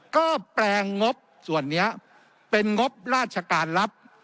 ก็แปลงงบส่วนนี้เป็นงบราชการรับ